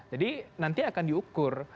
jadi nanti akan diukur